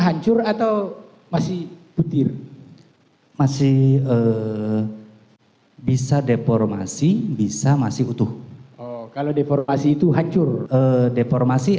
hancur atau masih petir masih bisa deformasi bisa masih utuh kalau deformasi itu hancur deformasi